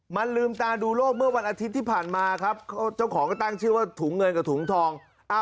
มันลืมตาดูโลกเมื่อวันอาทิตย์ที่ผ่านมาครับเจ้าของก็ตั้งชื่อว่าถุงเงินกับถุงทอง